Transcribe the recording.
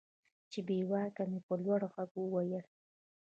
چې بېواكه مې په لوړ ږغ وويل.